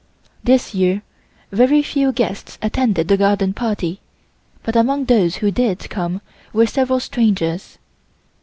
This year very few guests attended the Garden Party but among those who did come were several strangers.